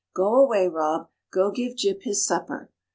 Go away, Rob; go give Jip his supper.